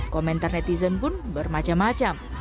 komentar netizen pun bermacam macam